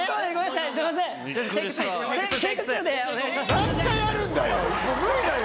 何回やるんだよ！